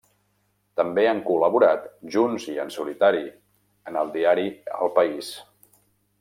També han col·laborat, junts i en solitari, en el diari El País.